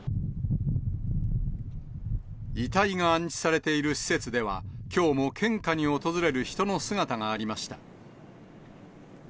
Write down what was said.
遺体が安置されている施設では、きょうも献花に訪れる人の姿がありました。